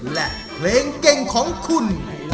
และเพลงเก่งของคุณ